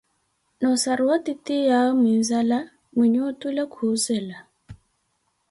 Noo ossaruwa titiyawe muinzala, mwinhe otule khuzela,